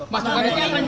masukan itu yang lain pak